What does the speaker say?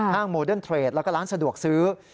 โมเดิร์นเทรดแล้วก็ร้านสะดวกซื้อ